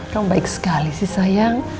kan baik sekali sih sayang